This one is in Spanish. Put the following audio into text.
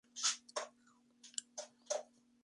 Es hermano mayor del mediocampista Edgar Barreto.